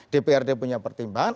dprd punya pertimbangan